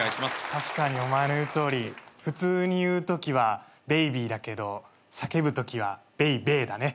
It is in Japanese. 確かにお前の言うとおり普通に言うときは「ベイビー」だけど叫ぶときは「ベイベー」だね。